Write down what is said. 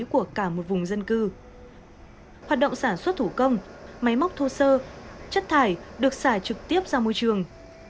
của cả một vùng dân cư hoạt động sản xuất thủ công máy móc thô sơ chất thải được xả trực tiếp ra môi trường